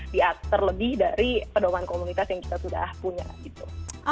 di terlebih dari pedoman komunitas yang kita sudah punya gitu